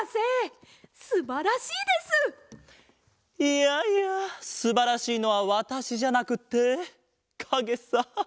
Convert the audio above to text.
いやいやすばらしいのはわたしじゃなくってかげさ。